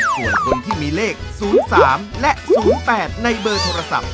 ส่วนคนที่มีเลข๐๓และ๐๘ในเบอร์โทรศัพท์